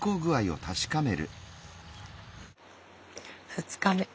２日目。